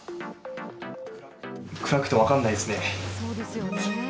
暗くて分からないですね。